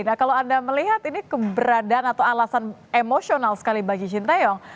nah kalau anda melihat ini keberadaan atau alasan emosional sekali bagi shin taeyong